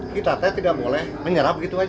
kita teh tidak boleh menyerap begitu aja